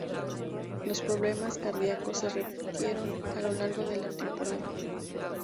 Los problemas cardiacos se repitieron a lo largo de la temporada.